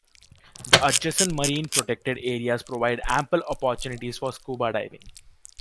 The adjacent marine protected areas provide ample opportunities for scuba diving.